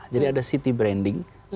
jadi ada city branding